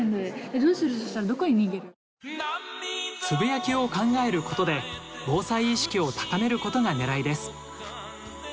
つぶやきを考えることで防災意識を高めることがねらいです。